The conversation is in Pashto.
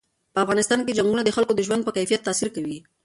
په افغانستان کې چنګلونه د خلکو د ژوند په کیفیت تاثیر کوي.